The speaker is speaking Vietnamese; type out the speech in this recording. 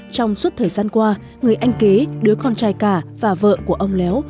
trong suốt thời gian qua người anh kế đứa con trai cả và vợ của ông léo